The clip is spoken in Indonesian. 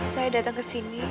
saya datang kesini